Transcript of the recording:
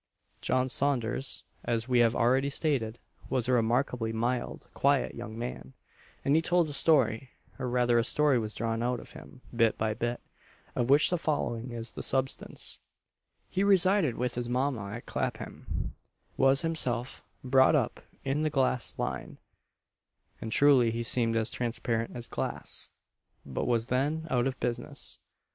John Saunders, as we have already stated, was a remarkably mild, quiet young man; and he told a story or rather a story was drawn out of him bit by bit, of which the following is the substance: He resided with his mama at Clapham was himself "brought up in the glass line," (and truly he seemed as transparent as glass,) but was then out of business.